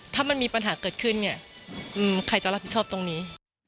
ถ้ามันมีปัญหาเกิดขึ้นเนี่ยใครจะรับผิดชอบตรงนี้